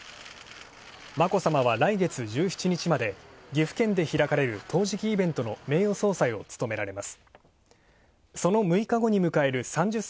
眞子さまは来月１７日まで岐阜県で開かれる陶磁器イベントの名誉総裁を務められます。